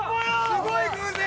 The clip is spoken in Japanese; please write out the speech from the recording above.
すごい偶然！